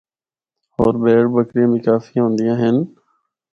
ہور بھیڑ بکریاں بھی کافی ہوندیاں ہن۔